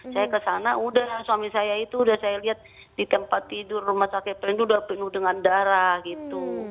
saya ke sana udah suami saya itu udah saya lihat di tempat tidur rumah sakit pelni itu udah penuh dengan darah gitu